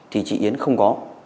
thì chị yến không có